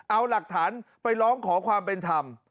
เอาหลักฐานไปร้องขอความเป็นธรรม